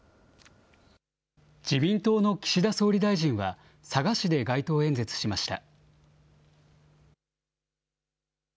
自民党の岸田総理大臣は、佐賀市で街頭演説しました。